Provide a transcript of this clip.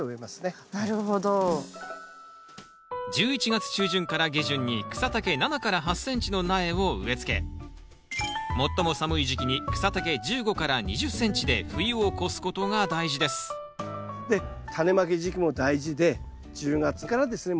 １１月中旬から下旬に草丈７８ｃｍの苗を植えつけ最も寒い時期に草丈１５２０ｃｍで冬を越すことが大事ですでタネまき時期も大事で１０月からですね